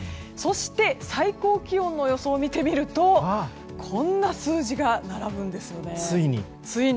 そして最高気温の予想を見てみるとこんな数字が並ぶんですね。